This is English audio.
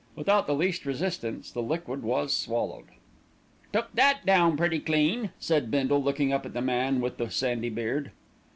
Without the least resistance the liquid was swallowed. "Took that down pretty clean," said Bindle, looking up at the man with the sandy beard.